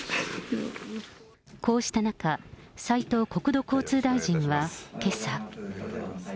こうした中、斉藤国土交通大臣はけさ。